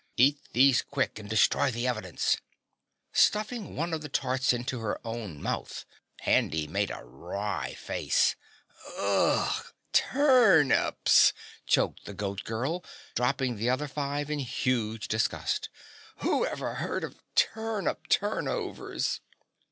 "Eat these quick and destroy the evidence." Stuffing one of the tarts into her own mouth, Handy made a wry face. "Ugh, TURNIPS!" choked the Goat Girl, dropping the other five in huge disgust. "Whoever heard of turnip turnovers?"